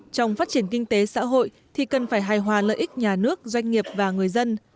trong phát triển kinh tế xã hội thì cần phải hài hòa lợi ích nhà nước doanh nghiệp và người dân